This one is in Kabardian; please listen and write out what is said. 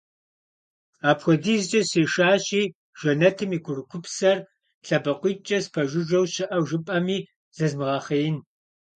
Апхуэдизкӏэ сешащи Жэнэтым и курыкупсэр лъэбакъуиткӏэ спэжыжэу щыӏэу жыпӏэми зызмыгъэхъеин.